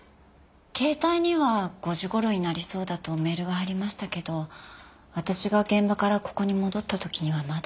携帯には５時頃になりそうだとメールが入りましたけど私が現場からここに戻った時にはまだ。